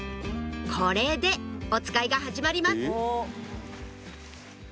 これでおつかいが始まります！